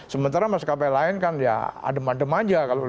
sementara mas kapelang kan ya adem adem aja kalau low season